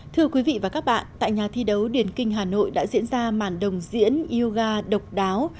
thưa quý vị và các bạn tại nhà thi đấu điển kinh hà nội đã diễn ra màn đồng diễn yoga độc đáo